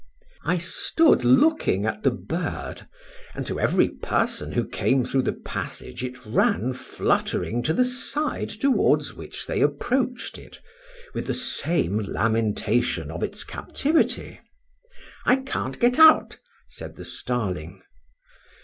I stood looking at the bird: and to every person who came through the passage it ran fluttering to the side towards which they approach'd it, with the same lamentation of its captivity. "I can't get out," said the starling.